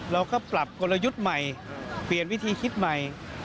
เราก็ปรับกลยุทธ์ใหม่เปลี่ยนวิธีคิดใหม่